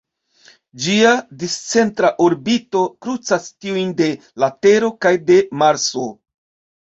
Ĝia discentra orbito krucas tiujn de la Tero kaj de Marso.